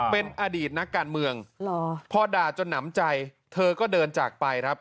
เป็นอดีตนักการเมืองพอด่าจนหนำใจเธอก็เดินจากไปครับ